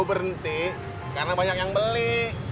berhenti karena banyak yang beli